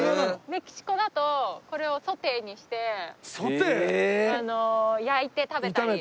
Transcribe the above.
メキシコだとこれをソテーにして焼いて食べたり。